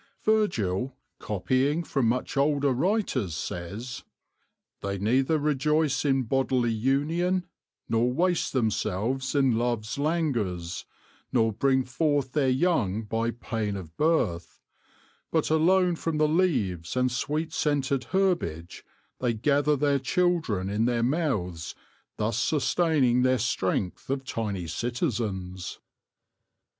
Virgil, copying from much older writers, says :" they neither rejoice in bodily union, nor waste themselves in love's languors, nor bring forth their young by pain of birth ; but alone from the leaves and sweet scented herbage they gather their children in their mouths, thus sustaining their strength of tiny citizens.'